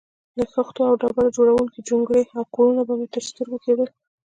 له خښتو او ډبرو جوړې جونګړې او کورونه به مې تر سترګو کېدل.